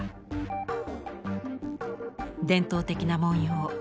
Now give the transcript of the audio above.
伝統的な文様。